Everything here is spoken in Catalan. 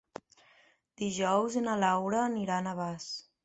Dijous na Laura anirà a Navàs.